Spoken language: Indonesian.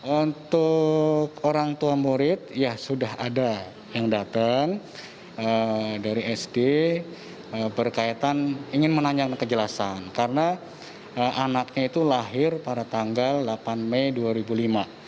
untuk orang tua murid ya sudah ada yang datang dari sd berkaitan ingin menanyakan kejelasan karena anaknya itu lahir pada tanggal delapan mei dua ribu lima